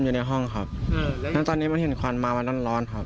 อยู่ในห้องครับแล้วตอนนี้มันเห็นควันมามันร้อนร้อนครับ